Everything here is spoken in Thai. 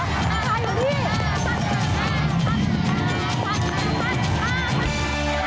อยู่ที่